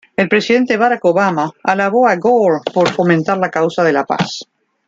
El presidente Barack Obama alabó a Gore por fomentar la causa de la paz.